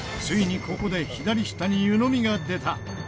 ついにここで左下に湯飲みが出た！